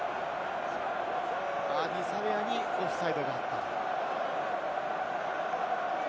アーディー・サヴェアにオフサイドがあった。